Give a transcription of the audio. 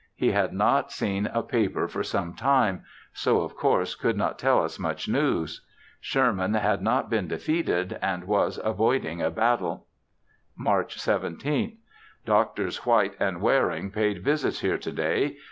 He had not seen a paper for some time, so, of course, could not tell us much news. Sherman had not been defeated and was avoiding a battle. March 17th. Drs. White and Waring paid visits here to day.